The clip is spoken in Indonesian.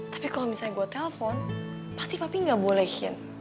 tapi kalau misalnya gue telfon pasti papi gak bolehin